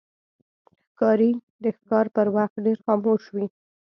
ښکاري د ښکار پر وخت ډېر خاموش وي.